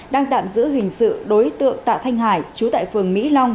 đang tạm giữ hình sự đối tượng tạ thanh hải chú tại phường mỹ long